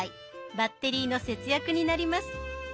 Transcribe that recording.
バッテリーの節約になります。